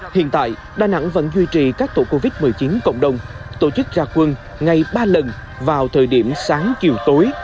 hiện tại đà nẵng vẫn duy trì các tổ covid một mươi chín cộng đồng tổ chức ra quân ngay ba lần vào thời điểm sáng chiều tối